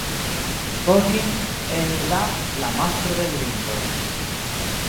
Tolkien en la La Mastro de l' Ringoj.